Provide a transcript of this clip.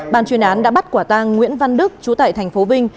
bàn chuyên án đã bắt quả tàng nguyễn văn đức chú tại thành phố vinh